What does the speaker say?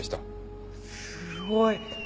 すごい！